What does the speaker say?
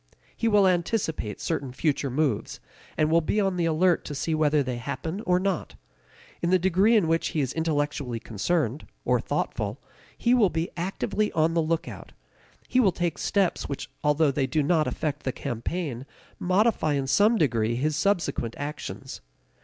He will anticipate certain future moves, and will be on the alert to see whether they happen or not. In the degree in which he is intellectually concerned, or thoughtful, he will be actively on the lookout; he will take steps which although they do not affect the campaign, modify in some degree his subsequent actions.